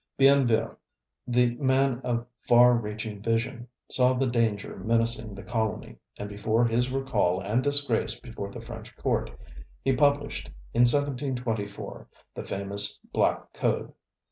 Bienville, the man of far reaching vision, saw the danger menacing the colony, and before his recall and disgrace before the French court, he published, in 1724, the famous Black Code.